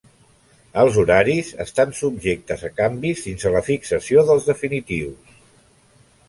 Els horaris estan subjectes a canvis fins a la fixació dels definitius.